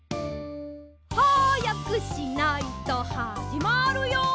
「はやくしないとはじまるよ」